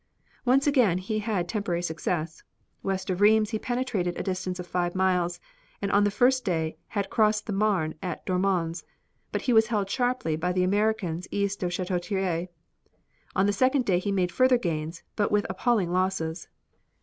Once again he had temporary success. West of Rheims he penetrated a distance of five miles, and on the first day, had crossed the Marne at Dormans, but was held sharply by the Americans east of Chateau Thierry. On the second day he made further gains, but with appalling losses.